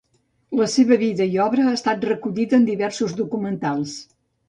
La seva vida i obra ha estat recollida en diversos documentals.